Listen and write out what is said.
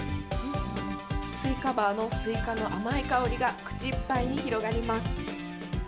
スイカバーのスイカの甘い香りが口いっぱいに広がります。